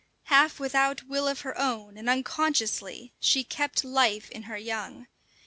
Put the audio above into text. Half without will of her own and unconsciously, she kept life in her young.